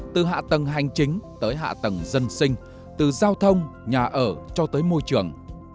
từ hạ tầng hành chính tới hạ tầng dân sinh từ giao thông nhà ở cho tới môi trường